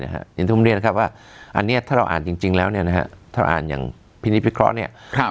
เห็นทุกคนเรียนว่าอันนี้ถ้าเราอ่านจริงแล้วถ้าอ่านอย่างพินิภิเคราะห์